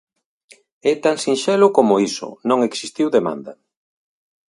É tan sinxelo como iso: non existiu demanda.